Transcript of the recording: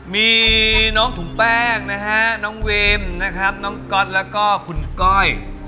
มีน้องถุงแป้งนะฮะน้องวิมนะครับน้องก๊อตแล้วก็คุณก้อย